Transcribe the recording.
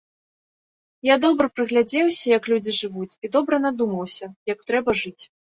Я добра прыглядзеўся, як людзі жывуць, і добра надумаўся, як трэба жыць.